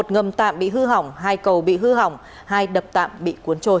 một ngầm tạm bị hư hỏng hai cầu bị hư hỏng hai đập tạm bị cuốn trôi